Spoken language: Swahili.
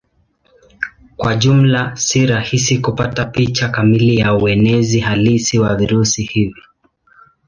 Kwa jumla si rahisi kupata picha kamili ya uenezi halisi wa virusi hivi.